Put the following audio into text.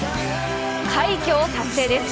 快挙を達成です。